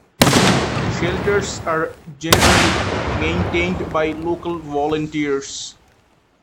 Shelters are generally maintained by local volunteers.